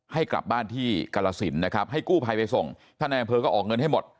ให้กลับบ้านที่กรสินนะครับให้กู้ภัยไปส่งท่านนายอำเภอก็ออกเงินให้หมด